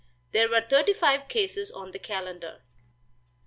There were thirty five cases on the calendar.